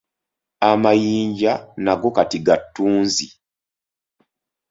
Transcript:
Amayinja nago kati ga ttunzi.